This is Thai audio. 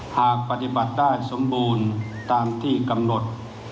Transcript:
หากปฏิบัติได้สมบูรณ์ตามที่กำหนด